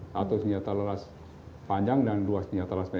satu senjata leras panjang dan dua senjata leras panjang